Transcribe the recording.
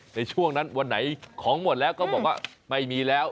ในช่วงนั้นวันไหนของหมดแล้วก็บอกว่าไม่มีแล้ว